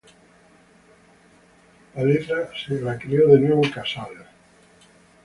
La letra fue creada de nuevo por Casal.